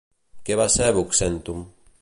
Què va ser Buxèntum?